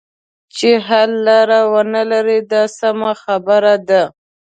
چې حل لاره ونه لري دا سمه خبره ده.